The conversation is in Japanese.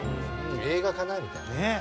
映画かな？みたいな。